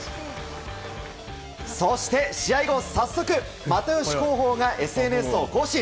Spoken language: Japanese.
そして、試合後早速又吉広報がＳＮＳを更新。